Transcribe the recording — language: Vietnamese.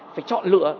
phải chọn lựa